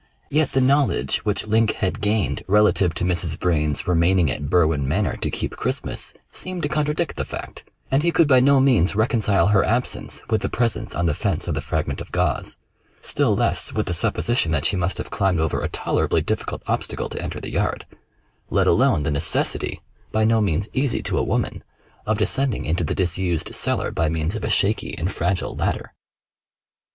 Yet the knowledge which Link had gained relative to Mrs. Vrain's remaining at Berwin Manor to keep Christmas seemed to contradict the fact; and he could by no means reconcile her absence with the presence on the fence of the fragment of gauze; still less with the supposition that she must have climbed over a tolerably difficult obstacle to enter the yard, let alone the necessity by no means easy to a woman of descending into the disused cellar by means of a shaky and fragile ladder.